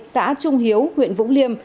xã trung hiếu huyện vũng liêm